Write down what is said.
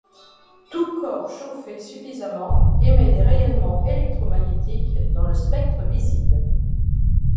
Tout corps chauffé suffisamment émet des rayonnements électromagnétiques dans le spectre visible.